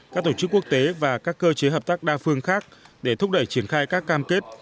các tổ chức quốc tế và các cơ chế hợp tác đa phương khác để thúc đẩy triển khai các cam kết